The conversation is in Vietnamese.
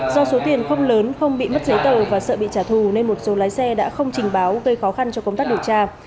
do số tiền không lớn không bị mất giấy tờ và sợ bị trả thù nên một số lái xe đã không trình báo gây khó khăn cho công tác điều tra